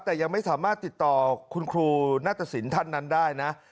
แต่ยังไม่สามารถติดต่อคุณครูนาตสินท่านนั้นได้นะ